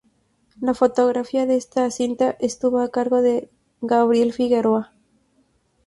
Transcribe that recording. La fotografía de esta cinta estuvo a cargo de Gabriel Figueroa.